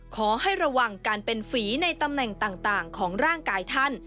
ขอให้ระวังการเป็นฝีในตำแหน่งต่างของร่างกายท่าน